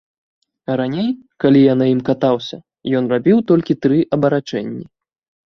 Раней, калі я на ім катаўся, ён рабіў толькі тры абарачэнні.